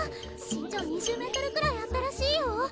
身長２０ｍくらいあったらしいよ